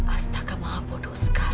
astaga mama bodoh sekali